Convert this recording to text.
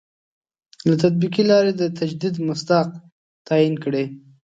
له تطبیقي لاري د تجدید مصداق تعین کړي.